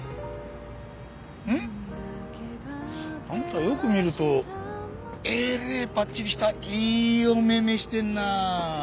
んっ？あんたよく見るとえれえぱっちりしたいいお目目してんな。